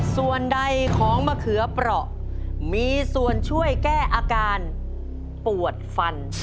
ส่วนใดของมะเขือเปราะมีส่วนช่วยแก้อาการปวดฟัน